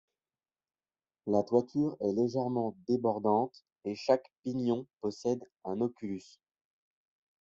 La toiture est légèrement débordante et chaque pignon possède un oculus.